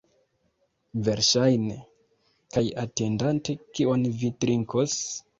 Verŝajne. Kaj atendante, kion vi trinkos?